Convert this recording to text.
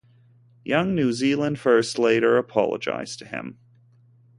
Young New Zealand First later apologised to him.